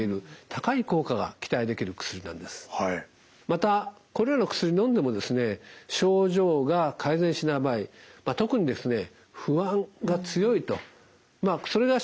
またこれらの薬のんでもですね症状が改善しない場合特にですね